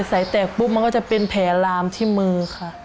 แตกปุ๊บมันก็จะเป็นแผลลามที่มือค่ะ